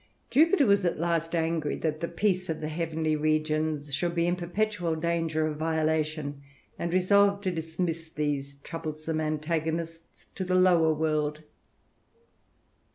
Jupiter was at last angry that the peace of the heavenly regions should be in perpetual danger of violation, and resolved to dismiss these troublesome antagonists to the lower world.